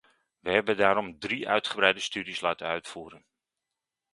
Wij hebben daarom drie uitgebreide studies laten uitvoeren.